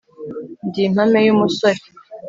ndi impame y’umusore